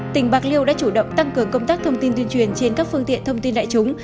tỉnh bạc liêu đã chủ động tăng cường công tác thông tin tuyên truyền trên các phương tiện thông tin đại chúng